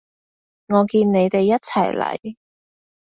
我見你哋一齊嚟